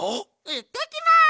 いってきます！